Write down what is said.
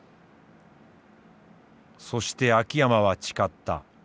そして秋山は誓った。